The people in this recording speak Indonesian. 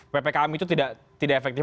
ppkm itu tidak efektif